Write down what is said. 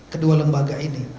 kedua lembaga ini